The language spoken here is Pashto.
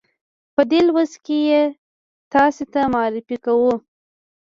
په دې لوست کې یې تاسې ته معرفي کوو.